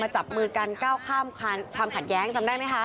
จับมือกันก้าวข้ามความขัดแย้งจำได้ไหมคะ